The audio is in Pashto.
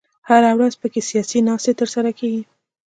هره ورځ په کې سیاسي ناستې تر سره کېږي.